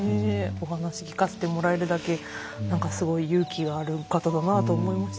お話聞かせてもらえるだけ何かすごい勇気がある方だなと思いましたよね。